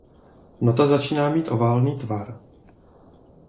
Nota začíná mít oválný tvar.